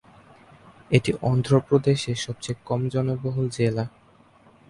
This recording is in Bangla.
এটি অন্ধ্র প্রদেশের সবচেয়ে কম জনবহুল জেলা।